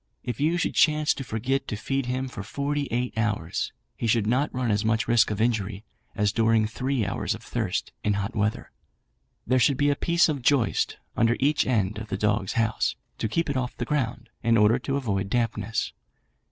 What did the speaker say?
If you should chance to forget to feed him for forty eight hours, he would not run as much risk of injury, as during three hours of thirst in hot weather. There should be a piece of joist under each end of the dog house, to keep it off the ground, in order to avoid dampness.